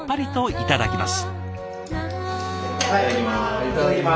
いただきます。